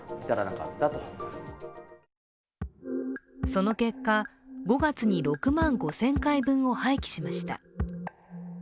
その結果、５月に６万５０００回分を廃棄しました。